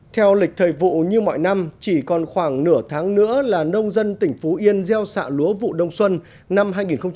theo lịch thời vụ như mọi năm chỉ còn khoảng nửa tháng nữa là nông dân tỉnh phú yên gieo xạ lúa vụ đồng xuân năm hai nghìn một mươi bảy hai nghìn một mươi tám